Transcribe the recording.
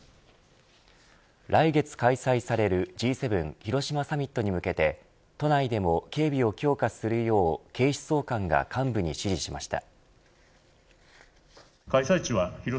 来月開催されるＧ７広島サミットに向けて都内でも警備を強化するよう警視総監が幹部に指示しました。